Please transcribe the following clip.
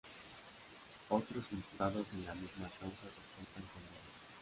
Otros imputados en la misma causa soportan condenas.